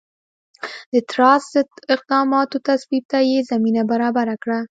د ټراست ضد اقداماتو تصویب ته یې زمینه برابره کړه.